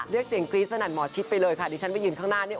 เลือกเสียงกรี๊ดสนัดหมอชิตไปเลยค่ะดิฉันมายินข้างหน้านี้